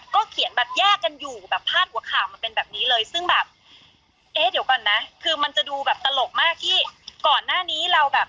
ฉันจะมาแยกทางกันอยู่ได้ไงอะไรอย่างนี้